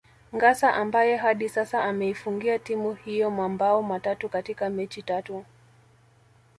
Ngassa ambaye hadi sasa ameifungia timu hiyo mambao matatu katika mechi tatu